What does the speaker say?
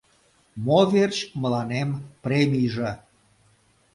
— Мо верч мыланем премийже?